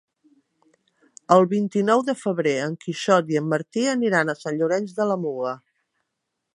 El vint-i-nou de febrer en Quixot i en Martí aniran a Sant Llorenç de la Muga.